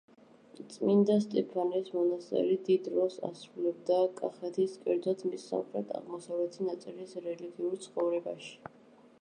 წმინდა სტეფანეს მონასტერი დიდ როლს ასრულებდა კახეთის, კერძოდ, მის სამხრეთ-აღმოსავლეთი ნაწილის რელიგიურ ცხოვრებაში.